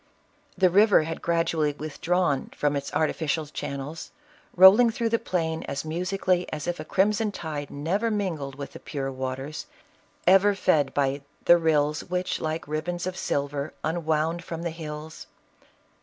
The river had gradually withdrawn from its artificial channels, roiling through the plain as musically as if a crimson tide never min gled with the pure waters, ever fed by " the rillfl That like ribands of silver unwound from the hills."